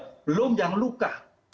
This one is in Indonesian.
belum yang luka